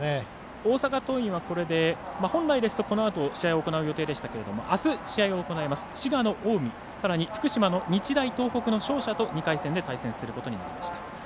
大阪桐蔭はこれで本来ですと、このあと試合を行う予定でしたがあす試合を行います、滋賀の近江さらに福島の日大東北の勝者と２回戦で対戦することになりました。